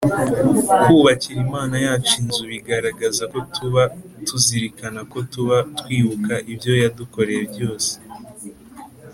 kubakira Imana yacu inzu bigaragaza ko tuba tuzirikana ko tuba twibuka ibyo yadukoreye byose